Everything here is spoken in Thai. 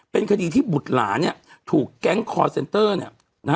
เป็นคดีที่บุตรหลานถูกแก๊งคอร์เซนเตอร์เนี่ยนะฮะ